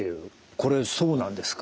これそうなんですか？